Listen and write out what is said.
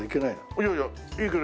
いやいやいいけど。